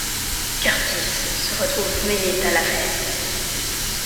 Curtis se retrouve mêlé à l'affaire.